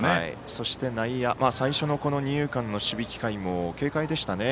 そして、内野、最初の二遊間の守備機会も軽快でしたね。